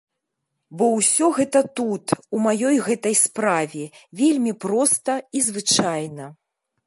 Бо ўсё гэта тут, у маёй гэтай справе, вельмі проста і звычайна.